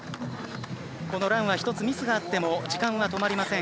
このランは１つミスがあっても時間は止まりません。